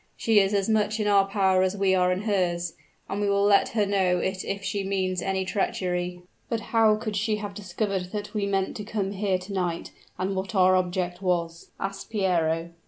She is as much in our power as we are in hers, and we will let her know it if she means any treachery." "But how could she have discovered that we meant to come here to night, and what our object was?" asked Piero.